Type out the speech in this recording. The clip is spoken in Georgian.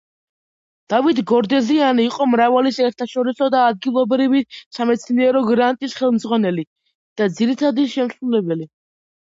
დავით გორდეზიანი იყო მრავალი საერთაშორისო და ადგილობრივი სამეცნიერო გრანტის ხელმძღვანელი და ძირითადი შემსრულებელი.